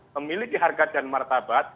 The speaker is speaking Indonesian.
memiliki harkat dan martabat